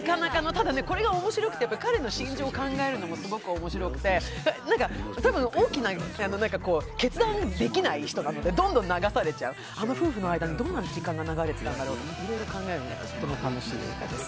ただね、これが面白くて、彼の心情を考えるのもすごく面白くて、たぶん、大きな決断ができない人なのでどんどん流されちゃう、あの夫婦の間にどんな時間が流れてたんだろうっていろいろ考えるのも楽しいです。